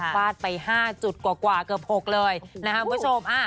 ฟาดไป๕จุดกว่าเกือบ๖เลยนะครับคุณผู้ชม